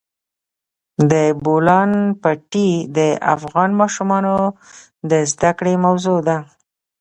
د بولان پټي د افغان ماشومانو د زده کړې موضوع ده.